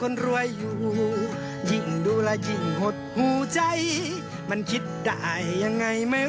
เน่อยถ้ากานเถอะ